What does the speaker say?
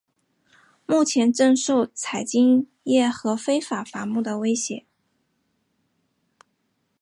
目前正受采金业和非法伐木的威胁。